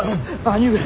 兄上。